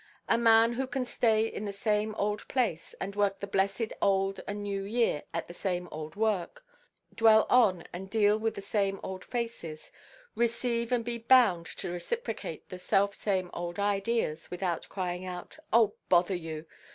A man who can stay in the same old place, and work the blessed old and new year at the same old work, dwell on and deal with the same old faces, receive and be bound to reciprocate the self–same old ideas, without crying out, "Oh bother you!"